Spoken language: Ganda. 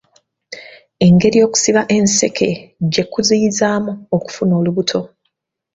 Engeri okusiba enseke gye kuziyizaamu okufuna olubuto.